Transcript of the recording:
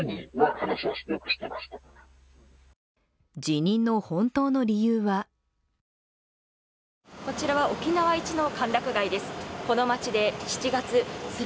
辞任の本当の理由はこちらは沖縄イチの歓楽街です。